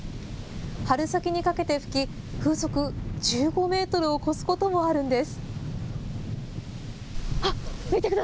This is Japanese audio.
春先にかけて吹き、風速１５メートルを超すこともあるんです。